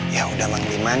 yaudah emang diman